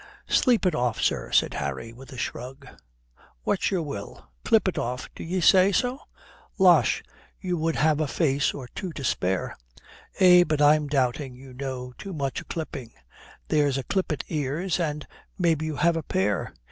"Sleep it off, sir," says Harry, with a shrug. "What's your will? Clip it off, do ye say so? Losh, you would have a face or two to spare. Eh, but I'm doubting you know too much o' clipping. There's clippit ears, and maybe you have a pair."